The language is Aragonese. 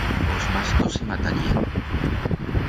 Os mastos se matarían.